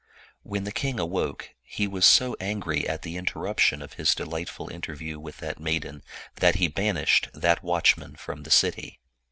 When the king awoke, he was so angry at the interruption of his delightful interview with that maiden, that he banished that watchman from the city.